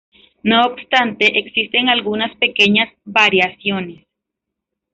No obstante existen algunas pequeñas variaciones.